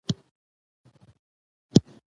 ځینې به بلوغ ته رسېدل او په تکثر یې پیل وکړ.